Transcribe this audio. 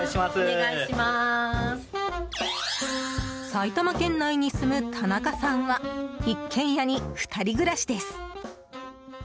埼玉県内に住む田仲さんは一軒家に２人暮らしです。